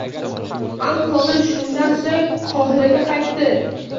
Al-Komil shundan so‘ng Qohiraga qaytdi